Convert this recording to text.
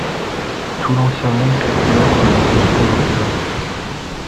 Tout l’ancien monde s’écroulaQuand la grosse boule roula.